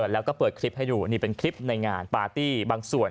แล้วก็เปิดคลิปให้ดูนี่เป็นคลิปในงานปาร์ตี้บางส่วน